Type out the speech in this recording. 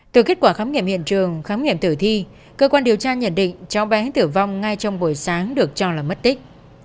từ kết quả khám nghiệm hiện trường khám nghiệm tử thi cơ quan điều tra nhận định cháu bé tử vong ngay trong buổi sáng được cho là mất tích